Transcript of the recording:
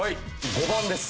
５番です。